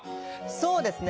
そうですね。